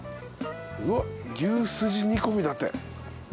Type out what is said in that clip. うわっ牛すじ煮込だって。